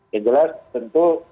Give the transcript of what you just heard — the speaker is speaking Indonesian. yang jelas tentu